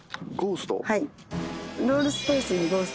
はい。